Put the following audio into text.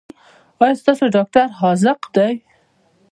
ایا ستاسو ډاکټر حاذق دی؟